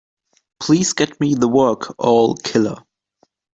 Please get me the work, All Killer.